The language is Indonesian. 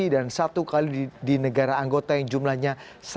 dan satu kali di negara anggota yang jumlahnya satu ratus delapan puluh sembilan